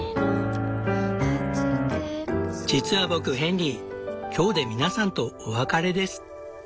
実は僕ヘンリー今日で皆さんとお別れです。